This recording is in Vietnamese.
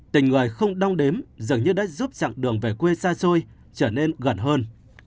tình người không đong đếm dường như đã giúp chặng đường về quê xa xôi trở nên gần hơn